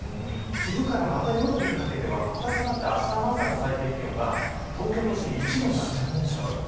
昼から夜にかけてはまた下がってあしたの朝の最低気温は東京都心で１度になっちゃう。